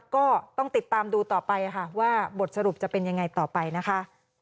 ก็ต้องติดตามดูต่อไปค่ะว่าบทสรุปจะเป็นยังไงต่อไปนะคะ